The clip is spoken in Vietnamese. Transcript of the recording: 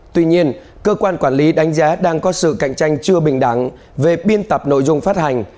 tuy nhiên cơ quan quản lý đánh giá đang có sự cạnh tranh chưa bình đẳng về biên tập nội dung phát hành